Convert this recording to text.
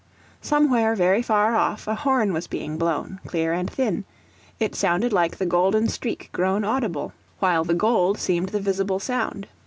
Somewhere very far off, a horn was being blown, clear and thin; it sounded like the golden streak grown audible, while the gold seemed the visible sound.